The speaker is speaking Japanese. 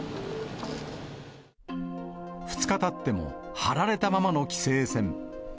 ２日たっても、張られたままの規制線。